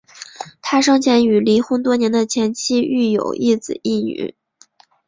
他生前与离婚多年的前妻育有一子一女。